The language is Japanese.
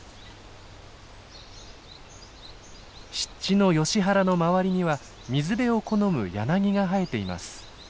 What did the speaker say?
湿地のヨシ原の周りには水辺を好む柳が生えています。